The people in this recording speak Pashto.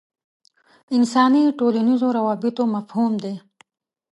انساني ټولنیزو روابطو مفهوم دی.